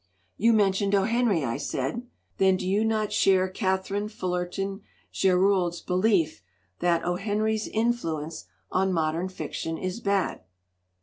"You mentioned O. Henry," I said. "Then you do not share Katharine Fullerton Gerould's belief that 0. Henry's influence on modern fiction is bad?"